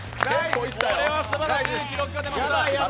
これはすばらしい記録が出ました。